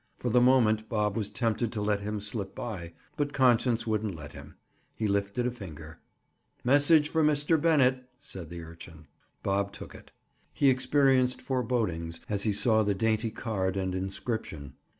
For the moment Bob was tempted to let him slip by, but conscience wouldn't let him. He lifted a finger. "Message for Mr. Bennett," said the urchin. Bob took it. He experienced forebodings as he saw the dainty card and inscription.